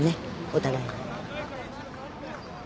お互いに。